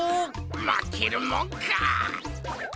まけるもんか！